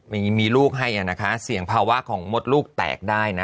มีลูกให้นะคะเสี่ยงภาวะของมดลูกแตกได้นะ